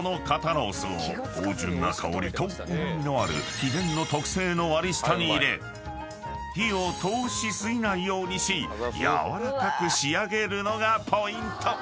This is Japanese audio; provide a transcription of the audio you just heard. ロースを芳醇な香りとうま味のある秘伝の特製の割り下に入れ火を通し過ぎないようにし軟らかく仕上げるのがポイント］